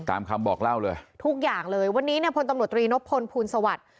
ตามคำบอกเล่าเลยทุกอย่างเลยวันนี้เนี่ยพลตำรวจตรีนพลภูลสวัสดิ์